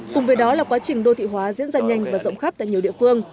cùng với đó là quá trình đô thị hóa diễn ra nhanh và rộng khắp tại nhiều địa phương